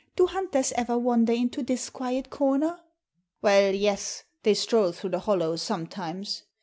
Do hunters ever wander into this quiet corner?" "Well, yes. They stroll through the hollow sometimes."